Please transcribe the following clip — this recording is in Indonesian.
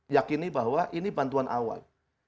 yakini bahwa ini bantuan awal